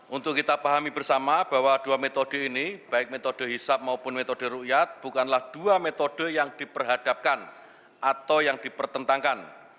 untuk kita pahami bersama bahwa dua metode ini baik metode hisap maupun metode rukyat ⁇ bukanlah dua metode yang diperhadapkan atau yang dipertentangkan